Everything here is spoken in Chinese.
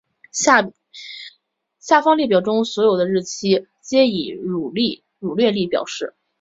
下方列表中所有日期皆以儒略历表示。